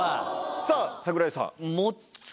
さぁ櫻井さん。